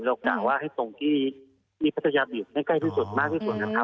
กะว่าให้ตรงที่มีพัทยาบีบให้ใกล้ที่สุดมากที่สุดนะครับ